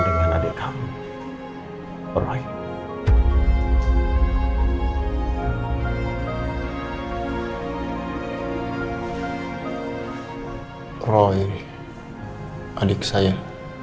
dia sudah jatuh